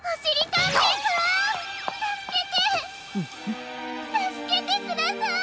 たすけてください！